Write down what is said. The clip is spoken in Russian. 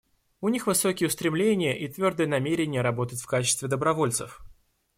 У них высокие устремления и твердое намерение работать в качестве добровольцев.